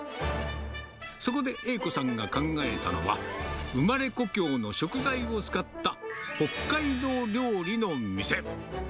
そこで栄子さんが考えたのは、生まれ故郷の食材を使った北海道料理の店。